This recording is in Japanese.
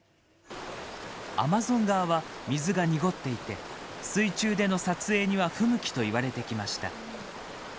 アマゾン川は、水が濁っていて水中での撮影には不向きといわれてきました。